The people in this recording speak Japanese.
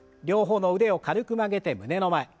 両方の腕を軽く曲げて胸の前。